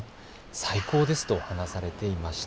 最高ですと話されていました。